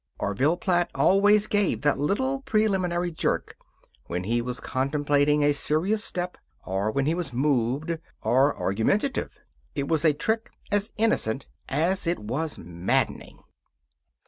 Orville Platt always gave that little preliminary jerk when he was contemplating a serious step, or when he was moved, or argumentative. It was a trick as innocent as it was maddening.